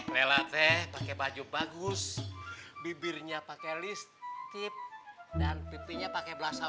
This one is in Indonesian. lelelat teh pakai baju bagus bibirnya pakai listip dan pipinya pakai blason